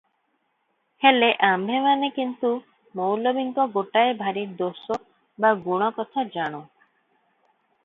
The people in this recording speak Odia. ହେଲେ ଆମ୍ଭେମାନେ କିନ୍ତୁ ମୌଲବୀଙ୍କ ଗୋଟାଏ ଭାରି ଦୋଷ ବା ଗୁଣ କଥା ଜାଣୁ